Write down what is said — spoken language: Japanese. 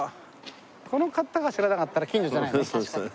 この方が知らなかったら近所じゃないよね。